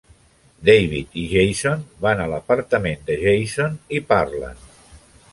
David i Jason van a l'apartament de Jason i parlen.